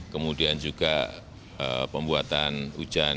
kemudian juga pembuatan hujan